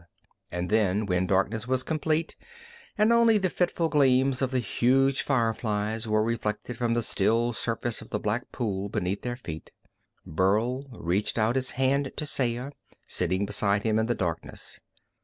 And then, when darkness was complete, and only the fitful gleams of the huge fireflies were reflected from the still surface of the black pool beneath their feet, Burl reached out his hand to Saya, sitting beside him in the darkness.